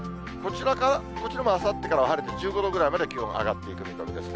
こちらもあさってから晴れて、１５度くらいまで気温上がっていく見込みですね。